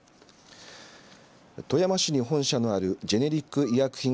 富山市に本社のあるジェネリック医薬品